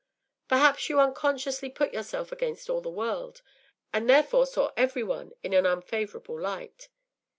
Perhaps you unconsciously put yourself against all the world, and therefore saw every one in an unfavourable light.